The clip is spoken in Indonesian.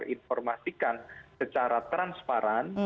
informasikan secara transparan